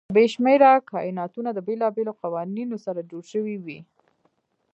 بې شمېره کایناتونه د بېلابېلو قوانینو سره جوړ شوي وي.